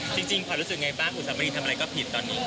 จริงฝันรู้สึกยังไงบ้างอุ๋สามารีทำอะไรก็ผิดตอนนี้